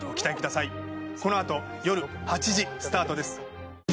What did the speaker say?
「このあとよる８時スタートです」